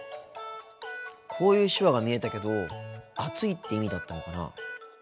こういう手話が見えたけど暑いって意味だったのかな。